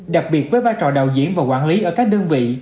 đặc biệt với vai trò đạo diễn và quản lý ở các đơn vị